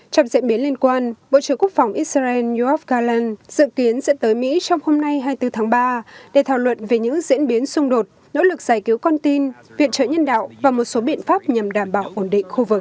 trong diễn biến liên quan bộ trưởng quốc phòng israel yoav galan dự kiến sẽ tới mỹ trong hôm nay hai mươi bốn tháng ba để thảo luận về những diễn biến xung đột nỗ lực giải cứu con tin viện trợ nhân đạo và một số biện pháp nhằm đảm bảo ổn định khu vực